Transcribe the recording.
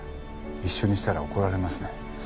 一緒にしたら怒られますね。